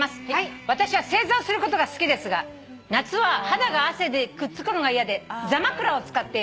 「私は正座をすることが好きですが夏は肌が汗でくっつくのが嫌で座枕を使っています」